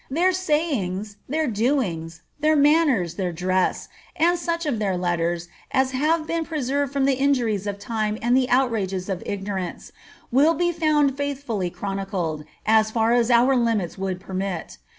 Their sayings, their doings, their manners, their dress, and soch of their letters as have been preserved from the injuries of time and the outrages of ignorance, will be found faithfully chronicled, as far as our limits would permit.